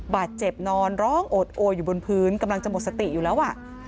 บาดเจ็บนอนร้องโอดโออยู่บนพื้นกำลังจะหมดสติอยู่แล้ว